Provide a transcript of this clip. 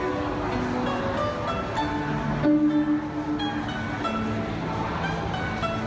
แม่งผมช่วยด้วยค่ะและทุกคนเป็นคนที่จะได้จริง